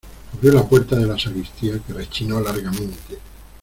abrió la puerta de la sacristía, que rechinó largamente.